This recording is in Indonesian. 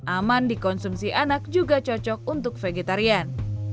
aman dikonsumsi anak juga cocok untuk vegetarian